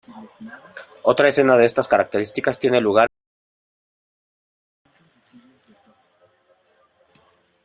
Otra escena de estas características tiene lugar entre los colonos marcianos.